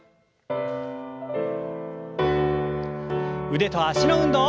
腕と脚の運動。